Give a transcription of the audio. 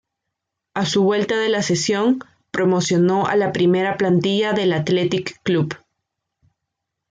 A su vuelta de la cesión, promocionó a la primera plantilla del Athletic Club.